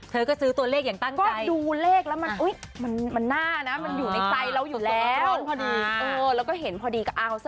เธอก็ซื้อตัวเลขอย่างตั้งใจ